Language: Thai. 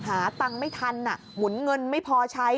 หาตังค์ไม่ทันหมุนเงินไม่พอใช้